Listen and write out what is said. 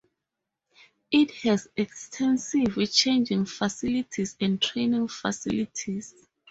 It has extensive changing facilities and training facilities.